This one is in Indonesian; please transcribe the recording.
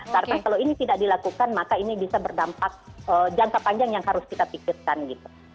karena kalau ini tidak dilakukan maka ini bisa berdampak jangka panjang yang harus kita pikirkan gitu